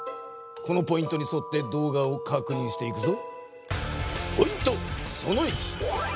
このポイントにそって動画をかくにんしていくぞ。